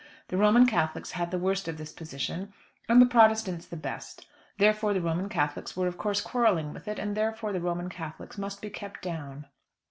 The Roman Catholics had the worst of this position, and the Protestants the best. Therefore the Roman Catholics were of course quarrelling with it, and therefore the Roman Catholics must be kept down.